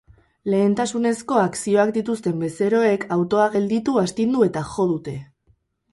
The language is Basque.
Lehentasunezko akzioak dituzten bezeroek autoa gelditu, astindu eta jo dute.